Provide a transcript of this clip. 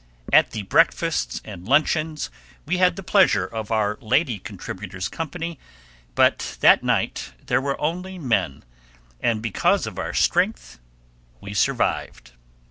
At the breakfasts and luncheons we had the pleasure of our lady contributors' company, but that night there were only men, and because of our great strength we survived.